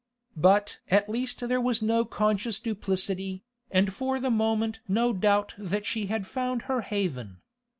But at least there was no conscious duplicity, and for the moment no doubt that she had found her haven.